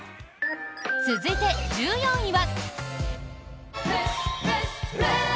続いて、１４位は。